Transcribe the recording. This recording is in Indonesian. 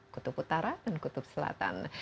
kutub utara dan kutub selatan